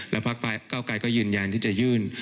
และพระคาวไกรก็ยืนยานที่จะยื่น